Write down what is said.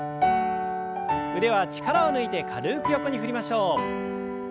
腕は力を抜いて軽く横に振りましょう。